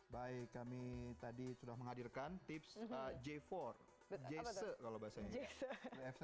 baik kami tadi sudah menghadirkan tips j empat jc kalau bahasanya